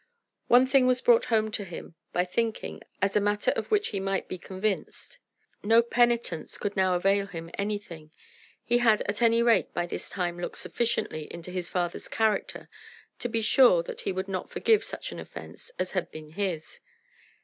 One thing was brought home to him, by thinking, as a matter of which he might be convinced. No penitence could now avail him anything. He had at any rate by this time looked sufficiently into his father's character to be sure that he would not forgive such an offence as had been his.